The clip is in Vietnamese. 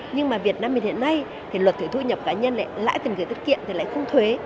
nhưng mà việt nam mình hiện nay thì luật thuế thu nhập cá nhân lãi tiền gửi tiết kiệm thì lại không thuế